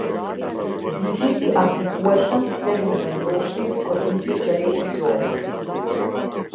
Ligji i aplikueshëm deri në vendosjen e kornizës së re ligjore.